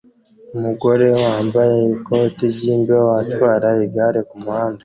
Umugore wambaye ikoti ryimbeho atwara igare kumuhanda